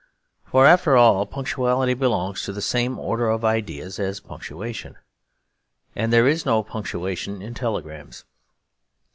For, after all, punctuality belongs to the same order of ideas as punctuation; and there is no punctuation in telegrams.